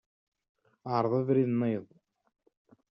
Ɛṛeḍ abrid-nnayeḍ.